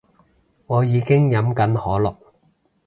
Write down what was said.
我已經飲緊可樂